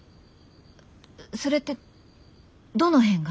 それってどの辺が？